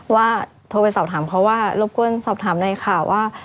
ว่าโทรไปสอบถามเขาว่ารบกวนสอบถามหน่อยค่ะว่า